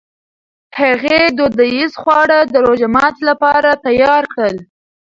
هغې دودیز خواړه د روژهماتي لپاره تیار کړل.